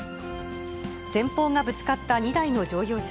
前方がぶつかった２台の乗用車。